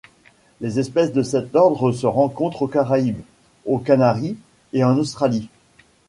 Les espèces de cet ordre se rencontrent aux Caraïbes, aux Canaries et en Australie.